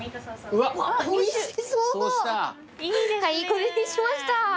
これにしました。